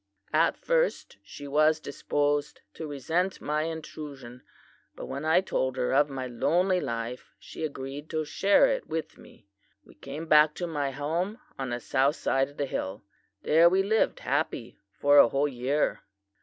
"'At first she was disposed to resent my intrusion; but when I told her of my lonely life she agreed to share it with me. We came back to my home on the south side of the hill. There we lived happy for a whole year.